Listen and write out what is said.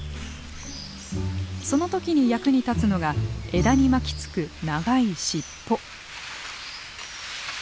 その時に役に立つのが枝に巻きつく長い尻尾。